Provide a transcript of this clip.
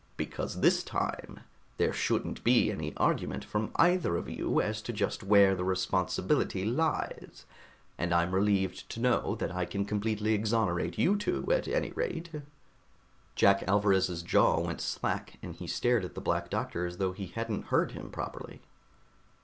Because this time there shouldn't be any argument from either of you as to just where the responsibility lies, and I'm relieved to know that I can completely exonerate you two, at any rate." Jack Alvarez's jaw went slack and he stared at the Black Doctor as though he hadn't heard him properly.